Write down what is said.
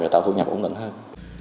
và tạo thu nhập ổn định hơn